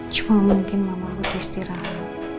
cuma mungkin mama butuh istirahat